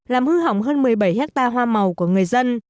làm hư hỏng hơn một mươi bảy hectare hoa màu của người dân